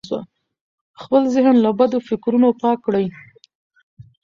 خپل ذهن له بدو فکرونو پاک کړئ.